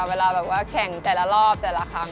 เวลาแบบว่าแข่งแต่ละรอบแต่ละครั้ง